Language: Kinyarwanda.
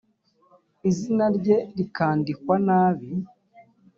izina rye rikandikwa nabi